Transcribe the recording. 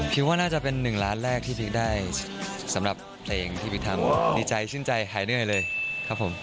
ว่าน่าจะเป็น๑ล้านแรกที่พีคได้สำหรับเพลงที่พี่ทำดีใจชื่นใจหายเหนื่อยเลยครับผม